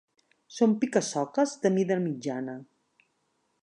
Són pica-soques de mida mitjana.